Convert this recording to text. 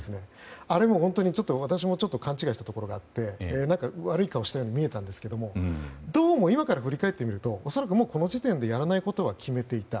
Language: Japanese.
あれもちょっと私も勘違いしたところがあって悪い顔をしたように見えたんですがどうも今から振り返ってみると恐らく、この時点でやらないことは決めていた。